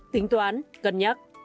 tính toán cân nhắc